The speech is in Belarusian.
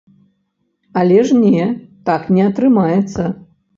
Але ж не, так не атрымаецца.